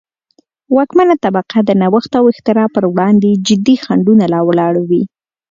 واکمنه طبقه د نوښت او اختراع پروړاندې جدي خنډونه را ولاړوي.